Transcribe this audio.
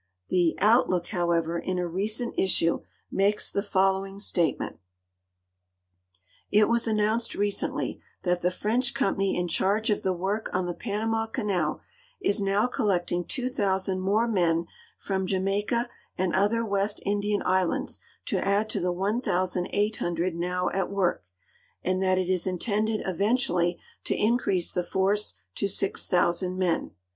The Outlook, however, in a recent issue, makes the following statement: "It was announced recently that the French company in charge of the work on the Panama canal is now collecting 2,000 more men from Jamaica and other West Indian islands to add to the 1,800 now at work, and that it is intended eventually to increase the force to 6,000 men.